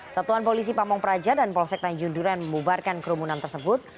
satuan polisi pamung praja dan polsek tanjung duren membubarkan kerumunan tersebut